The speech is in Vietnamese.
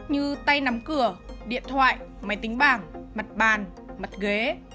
như tay nắm cửa điện thoại máy tính bảng mặt bàn mặt ghế